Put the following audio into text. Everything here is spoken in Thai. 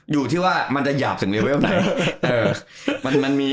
อยู่ที่ว่ามันจะหยาบถึงเลเวลไหน